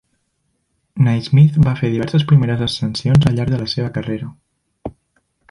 Naismith va fer diverses primeres ascensions al llarg de la seva carrera.